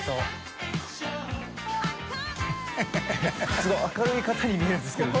すごい明るい方に見えるんですけどね。